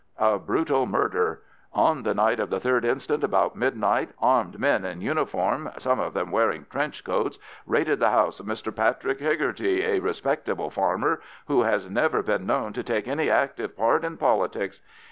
"A BRUTAL MURDER. "On the night of the 3rd inst., about midnight, armed men in uniform, some of them wearing trenchcoats, raided the house of Mr Patrick Hegarty, a respectable farmer, who has never been known to take any active part in politics.